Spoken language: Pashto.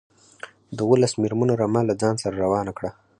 د اوولس مېرمنو رمه له ځان سره روانه کړه.